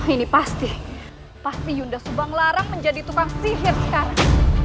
ini pasti pasti yunda subanglarang menjadi tukang sihir sekarang